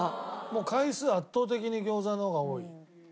回数圧倒的に餃子の方が多い。